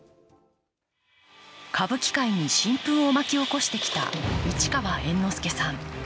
歌舞伎界に新風を巻き起こしてきた市川猿之助さん。